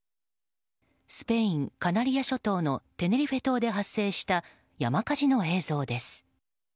スペイン・カナリア諸島のテネリフェ島で発生した山火事の映像です。